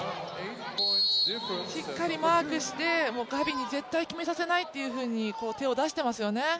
しっかりマークして、ガビに絶対決めさせないというふうに手を出してますよね。